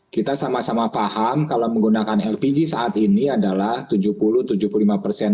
kita sama sama paham kalau menggunakan lpg saat ini adalah tujuh puluh tujuh puluh lima persen